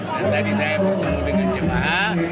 tadi saya bertemu dengan jemaah